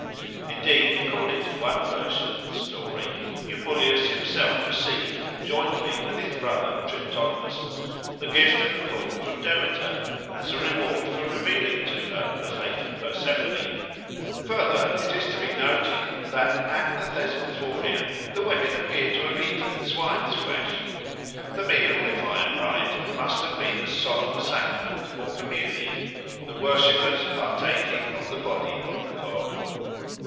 Indeed, according to one version of the story, Eubuleus himself received, jointly with his brother Triptolemus, the gift of the corn from Demeter as a reward for revealing to her the fate of Persephone. Further, it is to be noted that at the Thesmophoria the women appear to have eaten swine's flesh. The meal, if I am right, must have been a solemn sacrament or communion, the worshippers partaking of the body of the god.